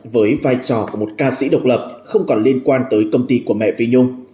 với vai trò của một ca sĩ độc lập không còn liên quan tới công ty của mẹ phi nhung